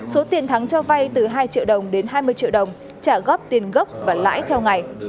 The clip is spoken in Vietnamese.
số tiền thắng cho vay từ hai triệu đồng đến hai mươi triệu đồng trả góp tiền gốc và lãi theo ngày